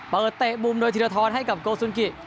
เปิดเตะมุมโดยทีลท้อนให้กับโกซุนกิ